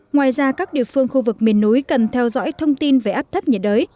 ngoài ra các địa phương khu vực miền núi cần theo dõi thông tin về áp thấp nhiệt đới